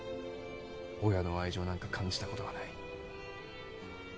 親の愛情なんか感じたことがない。